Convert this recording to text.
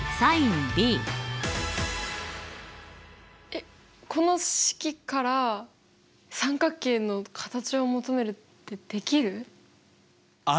えっこの式から三角形の形を求めるってできる？